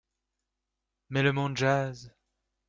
Mais le monde jase.